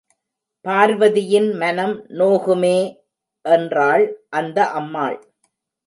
பார்வதியின் மனம் நோகுமே...! என்றாள் அந்த அம்மாள்.